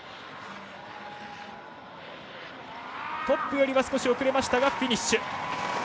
トップよりは少し遅れましたがフィニッシュ。